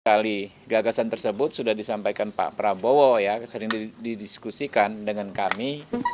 sekali gagasan tersebut sudah disampaikan pak prabowo ya sering didiskusikan dengan kami